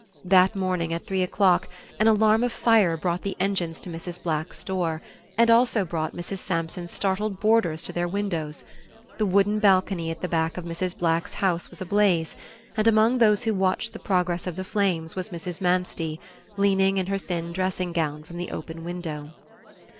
That morning at three o'clock an alarm of fire brought the engines to Mrs. Black's door, and also brought Mrs. Sampson's startled boarders to their windows. The wooden balcony at the back of Mrs. Black's house was ablaze, and among those who watched the progress of the flames was Mrs. Manstey, leaning in her thin dressing gown from the open window.